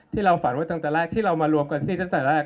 ที่เราฝันไว้ตั้งแต่แรกที่เรามารวมกันที่ตั้งแต่แรก